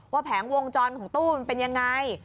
ว่าแผงวงจรของตู้มันเป็นอย่างไร